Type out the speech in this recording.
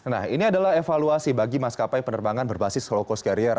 nah ini adalah evaluasi bagi maskapai penerbangan berbasis low cost carrier